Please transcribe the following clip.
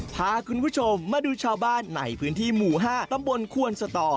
พาคุณผู้ชมมาดูชาวบ้านในพื้นที่หมู่๕ตำบลควนสตอ